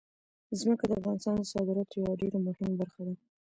ځمکه د افغانستان د صادراتو یوه ډېره مهمه برخه ده.